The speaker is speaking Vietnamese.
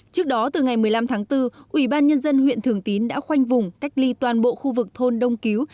trước đó từ ngày một mươi năm tháng bốn ủy ban nhân dân huyện thường tín đã khoanh vùng cách ly toàn bộ khu vực thôn đông cứu